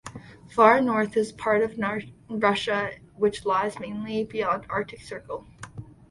Far North is the part of Russia which lies mainly beyond the Arctic Circle.